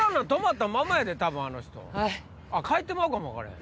あっ帰ってまうかも分からへん。